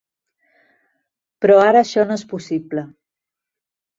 Però ara això no és possible.